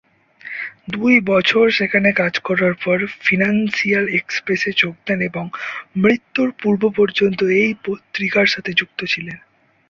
দুই বছর সেখানে কাজ করার পর ফিনান্সিয়াল এক্সপ্রেস-এ যোগ দেন এবং মৃত্যুর পূর্ব পর্যন্ত এই পত্রিকার সাথে যুক্ত ছিলেন।